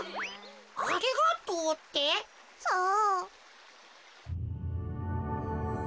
ありがとうって？さあ？